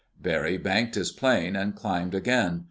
Barry banked his plane, and climbed again.